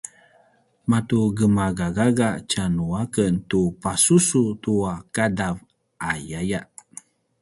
matugemagagaga tjanuaken tu pasusu tua ’adav ayaya